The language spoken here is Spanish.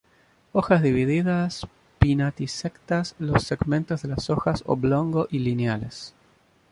Hojas divididas, pinnatisectas los segmentos de las hojas oblongo y lineales.